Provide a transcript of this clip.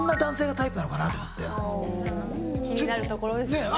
気になるところですよね。